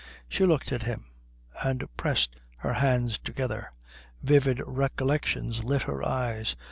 She looked at him and pressed her hands together. Vivid recollections lit her eyes.